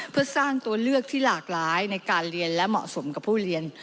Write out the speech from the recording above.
เพื่อสร้างตัวเลือกที่หลากหลายในการเรียนและเหมาะสมกับผู้เรียน